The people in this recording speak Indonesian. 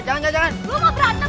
jangan jangan jangan